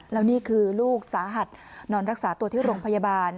แล้วนี่คือลูกสาหัสนอนรักษาตัวที่โรงพยาบาล